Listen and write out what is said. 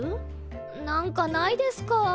なんかないですか？